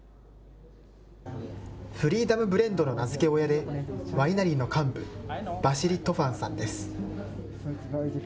フリーダムブレンドの名付け親で、ワイナリーの幹部、バシリ・トファンさんです。